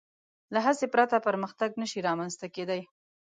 له هڅې پرته پرمختګ نهشي رامنځ ته کېدی.